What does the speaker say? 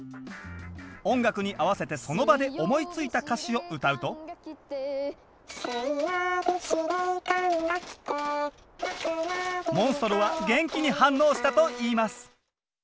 音楽に合わせてその場で思いついた歌詞を歌うと「水曜日司令官が来て」モンストロは元気に反応したといいます。